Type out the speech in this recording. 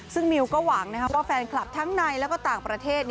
ซึ่งมิวก็หวังว่าแฟนคลับทั้งในและก็ต่างประเทศ